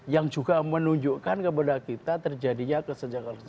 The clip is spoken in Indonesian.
yang juga menunjukkan kepada kita terjadinya kesenjangan